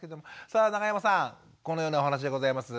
さあ永山さんこのようなお話でございます。